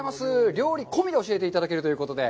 料理込みで教えていただけるということで。